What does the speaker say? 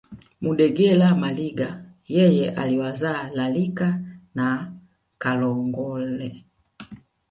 Mudegela Maliga yeye aliwazaa Lalika na Kalongole